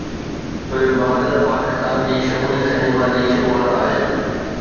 film Badal Pakistan جي شعوري cinema جي شروعات آهي